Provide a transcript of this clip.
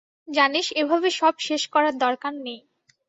জানিস, এভাবে সব শেষ করার দরকার নেই।